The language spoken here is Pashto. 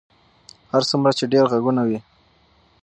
هر څومره چې ډېر غږونه وي.